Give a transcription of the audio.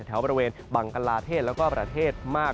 แถวบริเวณบังกลาเทศแล้วก็ประเทศมาก